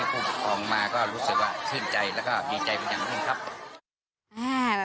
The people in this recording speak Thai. ผู้ปกครองมาก็รู้สึกว่าชื่นใจแล้วก็ดีใจพอจากนั้นครับ